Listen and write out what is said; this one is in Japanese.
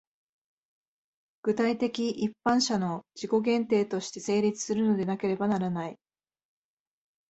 具体的一般者の自己限定として成立するのでなければならない。